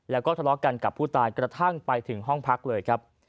แล้วก็ทะเลาะกันกับผู้ตายกระทั่งไปถึงห้องพักเลยครับ